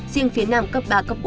riêng phía nam cấp ba cấp bốn